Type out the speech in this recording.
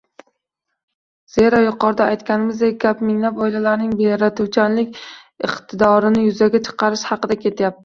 Zero, yuqorida aytganimizdek, gap minglab oilalarning yaratuvchanlik iqtidorini yuzaga chiqarish haqida ketyapti.